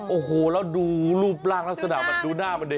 โอ้โหแล้วดูรูปร่างลักษณะมันดูหน้ามันดี